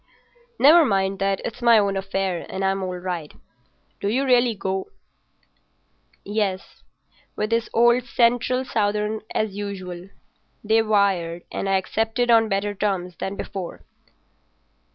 "Never mind that—it's my own affair, and I'm all right. Do you really go?" "Yes. With the old Central Southern as usual. They wired, and I accepted on better terms than before."